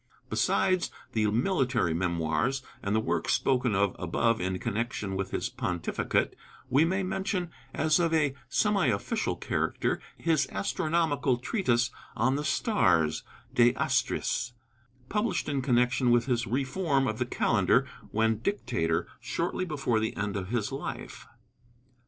Besides the military memoirs and the works spoken of above in connection with his pontificate, we may mention, as of a semi official character, his astronomical treatise On the Stars (De Astris), published in connection with his reform of the calendar, when dictator, shortly before the end of his life.